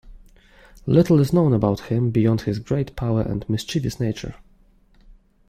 Little is known about him beyond his great power and mischievous nature.